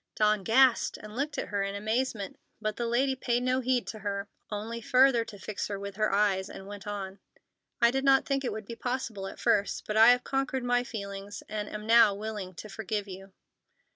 Dawn gasped, and looked at her in amazement; but the lady paid no heed to her, only further to fix her with her eyes, and went on: "I did not think it would be possible at first, but I have conquered my feelings, and am now willing to forgive you."